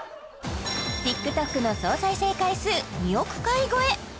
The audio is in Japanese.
ＴｉｋＴｏｋの総再生回数２億回超え